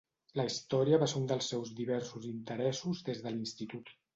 La història va ser un dels seus diversos interessos des de l'institut.